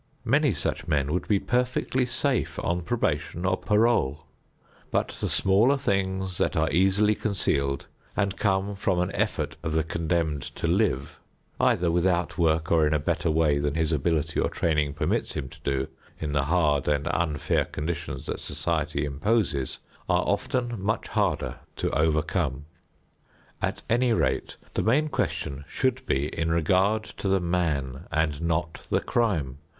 Many such men would be perfectly safe on probation or parole. But the smaller things that are easily concealed and come from an effort of the condemned to live, either without work or in a better way than his ability or training permits him to do in the hard and unfair conditions that society imposes, are often much harder to overcome. At any rate, the main question should be in regard to the man and not the crime.